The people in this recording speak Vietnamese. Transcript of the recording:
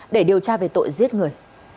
để điều tra về tội giết người